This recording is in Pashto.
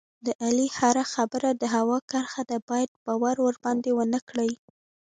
د علي هره خبره د هوا کرښه ده، باید باور ورباندې و نه کړې.